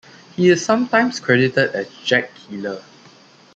He is sometimes credited as Jack Keeler.